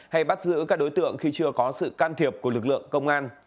hay bắt giữ các đối tượng khi chưa có sự can thiệp của lực lượng công an